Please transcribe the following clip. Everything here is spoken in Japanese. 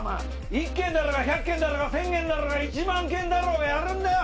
１軒だろうが１００軒だろうが１０００軒だろうが１万軒だろうがやるんだよ。